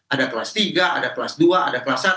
ada kelas tiga ada kelas dua ada kelas satu